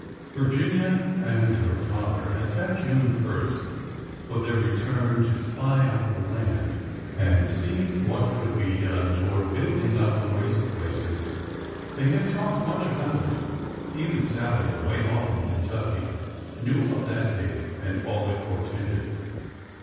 Virginia and her father had set June first for their re turn to spy out the land and see what could be done toward building up the waste places. They had talked much about it. Even Sallie, away off in Kentucky, knew of that date and all it portended.